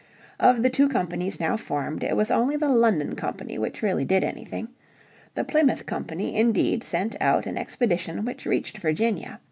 Of the two companies now formed it was only the London Company which really did anything. The Plymouth Company indeed sent out an expedition which reached Virginia.